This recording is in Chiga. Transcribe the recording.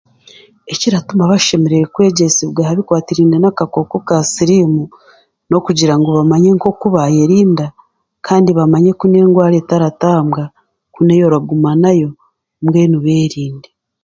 Ekiratuma bashemereire kwegyesibwa habikwatiraine n'akakooko ka siriimu, n'okugira ngu bamanye nk'oku baayerinda, kandi bamanye ku n'engwara etaratambwa ku ni ey'oraguma nayo mbwenu beerinde.